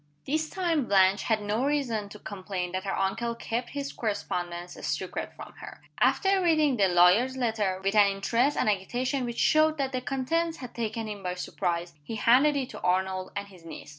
This time Blanche had no reason to complain that her uncle kept his correspondence a secret from her. After reading the lawyer's letter, with an interest and agitation which showed that the contents had taken him by surprise, he handed it to Arnold and his niece.